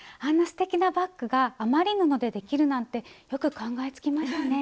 すてきなバッグが余り布でできるなんてよく考えつきましたね。